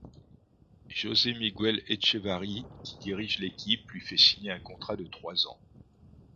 José Miguel Echavarri, qui dirige l'équipe, lui fait signer un contrat de trois ans.